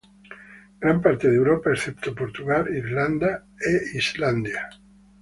Gran parte de Europa, excepto Portugal, Irlanda e Islandia.